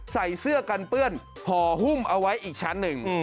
ใส่เสื้อกันเปื้อนห่อหุ้มเอาไว้อีกชั้นหนึ่ง